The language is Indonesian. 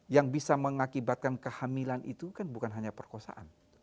yang bisa mengakibatkan kehamilan itu kan bukan hanya perkosaan